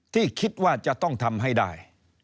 ที่คิดว่าจะต้องทำให้ได้